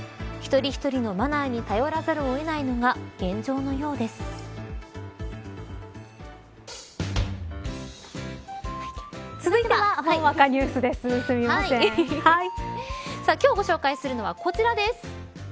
１人１人のマナーに頼らざるを得ないのが続いては今日ご紹介するのはこちらです。